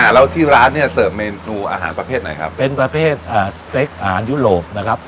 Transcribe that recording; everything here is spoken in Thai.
แล้วที่ร้านเนี่ยเสิร์ฟเมนูอาหารประเภทไหนครับเป็นประเภทสเต็กอาหารยุโรปนะครับ